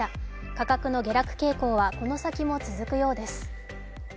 価格の下落傾向はこの先も続くようです。